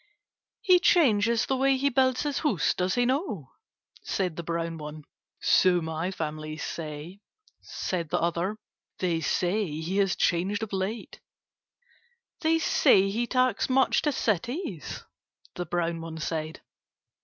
"He changes the way he builds his house, does he not?" said the brown one. "So my family say," said the other. "They say he has changed of late." "They say he takes much to cities?" the brown one said.